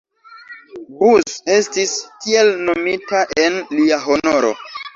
Bus, estis tiel nomita en lia honoro.